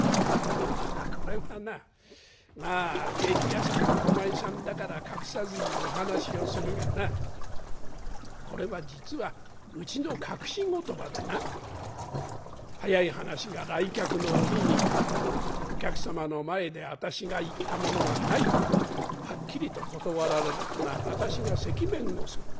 「いやこれがなまあ植木屋さんお前さんだから隠さずにお話をするがなこれは実はうちの隠し言葉でな早い話が来客の折にお客様の前で私が言ったものがないとはっきりと断られるとな私が赤面をする。